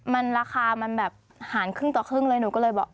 มันราคามันแบบหารครึ่งต่อครึ่งเลยหนูก็เลยบอก